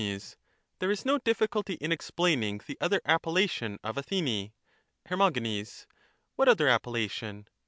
Soc, There is no difficulty in explaining the other appel lation of Athene. Her. What other appellation?